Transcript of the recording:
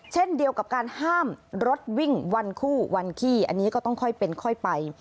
เช่นเดียวกับการห้ามรถวิ่งวันคู่วันขี้อันนี้ก็ต้องค่อยเป็นค่อยไป